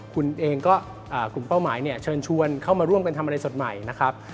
คุณเองก็กลุ่มเป้าหมายเนี่ยเชิญชวนเข้ามาร่วมกันทำอะไรสดใหม่นะครับ